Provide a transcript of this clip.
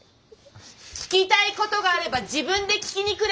聞きたいことがあれば自分で聞きに来れば？